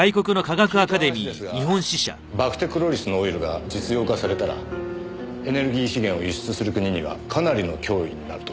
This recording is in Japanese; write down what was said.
聞いた話ですがバクテクロリスのオイルが実用化されたらエネルギー資源を輸出する国にはかなりの脅威になるとか。